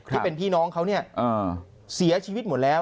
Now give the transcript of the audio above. ที่เป็นพี่น้องเขาเนี่ยเสียชีวิตหมดแล้ว